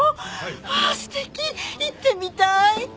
ああ素敵行ってみたい！